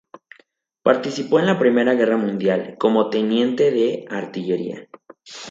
Participó en la I Guerra Mundial como teniente de artillería.